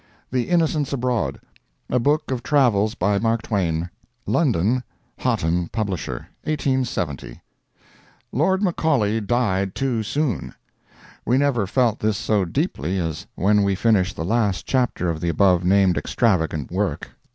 THE INNOCENTS ABROAD. A Book of Travels By Mark Twain. London: Hotten, publisher. 1870. Lord Macaulay died too soon. We never felt this so deeply as when we finished the last chapter of the above named extravagant work.